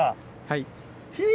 はい。